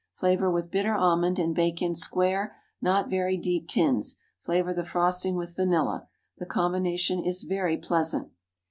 Flavor with bitter almond, and bake in square, not very deep tins. Flavor the frosting with vanilla. The combination is very pleasant.